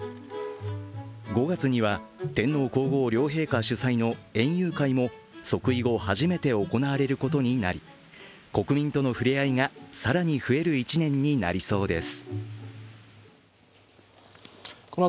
５月には天皇皇后両陛下主催の園遊会も即位後初めて行われることになり、国民とのふれあいが更に増える１年になりそうです。